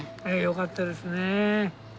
ええよかったですねえ。